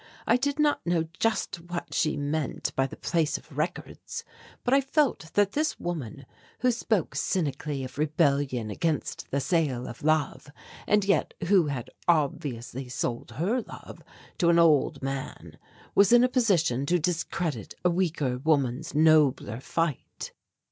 I did not know just what she meant by the Place of Records, but I felt that this woman who spoke cynically of rebellion against the sale of love, and yet who had obviously sold her love to an old man, was in no position to discredit a weaker woman's nobler fight.